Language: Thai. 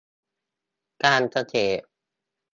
การเกษตร